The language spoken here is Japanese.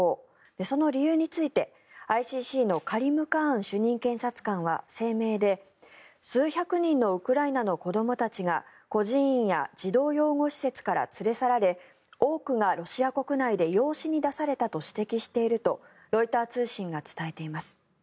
その理由について、ＩＣＣのカリム・カーン主任検察官は声明で数百人のウクライナの子どもたちが孤児院や児童養護施設から連れ去られ多くがロシア国内で養子に出されたと指摘しているとロイター通信が伝えています。